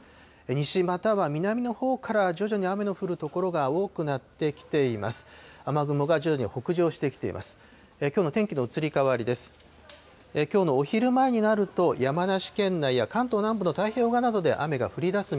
西または南のほうから徐々に雨の降る所が多くなってきています。